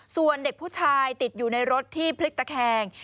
ส่วนเด็กผู้ชายติดอยู่ในรถที่พลิกตะแคง